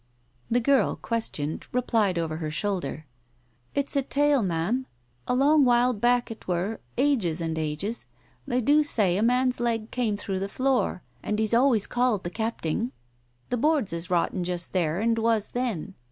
The girl, questioned, replied over her shoulder. "It's a tale, ma'am. A long while back it were — ages and ages. They do say a man's leg came through the floor, and he's always called the capting. The boards is rotten just there, and was then.